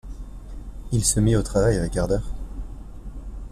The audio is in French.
Il se mit au travail avec ardeur.